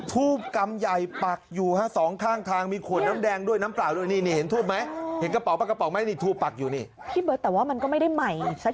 ทูบกำใหญ่ปักอยู่ฮะ